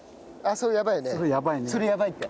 それやばいって。